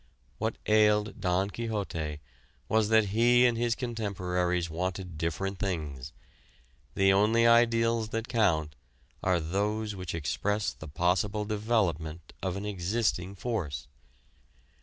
What ailed Don Quixote was that he and his contemporaries wanted different things; the only ideals that count are those which express the possible development of an existing force.